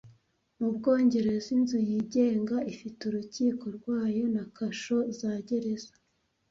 Mu Bwongereza inzu yigenga ifite urukiko rwayo na kasho za gereza